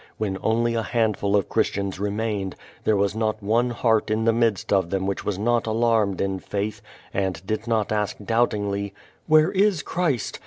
When only a handful of Christians remained, there was not one heart in the micTst of them which was not alarmed in faith and did not ask doubtingly, "AVhere is Christ?